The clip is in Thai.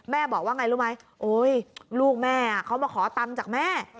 บอกว่าไงรู้ไหมโอ๊ยลูกแม่เขามาขอตังค์จากแม่